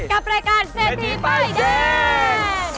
กับรายการเศรษฐีป้ายแดง